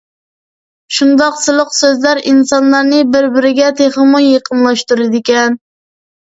شۇنداق سىلىق سۆزلەر ئىنسانلارنى بىر-بىرىگە تېخىمۇ يېقىنلاشتۇرىدىكەن.